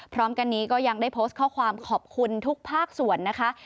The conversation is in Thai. พร้อมกันนี้ก็ยังได้โพสต์ข้อความขอบคุณทุกภาคส่วนนะคะ